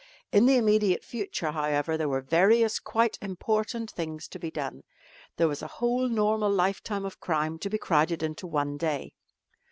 In the immediate future, however, there were various quite important things to be done. There was a whole normal lifetime of crime to be crowded into one day.